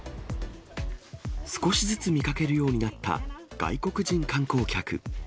少しずつ見かけるようになった外国人観光客。